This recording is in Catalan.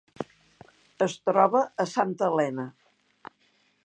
Es troba a Santa Helena.